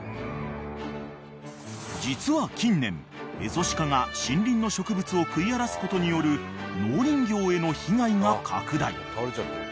［実は近年エゾシカが森林の植物を食い荒らすことによる農林業への被害が拡大］